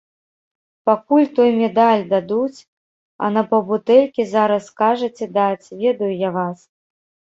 Пакуль той медаль дадуць, а на паўбутэлькі зараз скажаце даць, ведаю я вас.